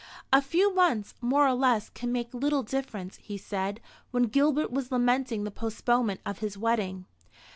"A few months more or less can make little difference," he said, when Gilbert was lamenting the postponement of his wedding.